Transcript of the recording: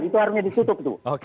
itu harusnya disutup